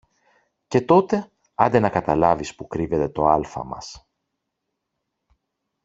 Και τότε άντε να καταλάβεις που κρύβεται το άλφα μας